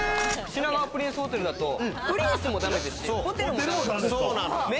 品川プリンスホテルだと、プリンスもダメですし、ホテルもだめ。